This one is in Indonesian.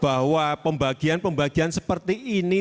bahwa pembagian pembagian seperti ini